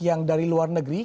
yang dari luar negara